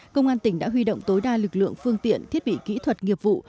công an tỉnh đã huy động tối đa lực lượng phương tiện thiết bị kỹ thuật nghiệp vụ